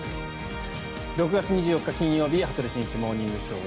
６月２４日、金曜日「羽鳥慎一モーニングショー」。